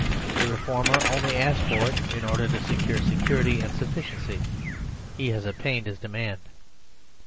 The reformer only asked for it in order to secure security and sufficiency : he has obtained his demand.